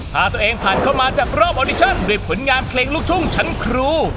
พาตัวเองผ่านเข้ามาจากรอบออดิชั่นด้วยผลงานเพลงลูกทุ่งชั้นครู